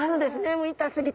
もう痛すぎて。